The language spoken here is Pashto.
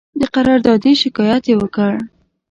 د قراردادي شکایت یې وکړ.